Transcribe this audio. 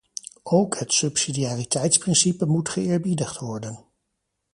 Ook het subsidiariteitsprincipe moet geëerbiedigd worden.